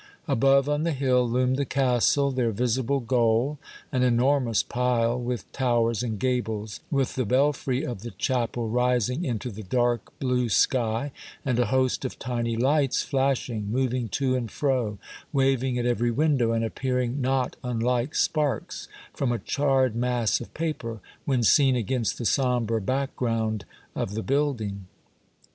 Above, on the hill, loomed the castle, their visible Yule Tide Stories, 261 goal, an enormous pile, with towers and gables, with the belfry of the chapel rising into the dark blue sky, and a host of tiny lights flashing, moving to and fro, waving at every window, and appearing not unlike sparks from a charred mass of paper, when seen against the sombre background of the building.